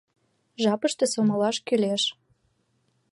Жапыште сомылаш кӱлеш.